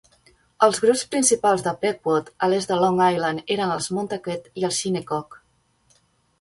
Els grups principals de Pequot a l'est de Long Island eren els Montaukett i els Shinnecock.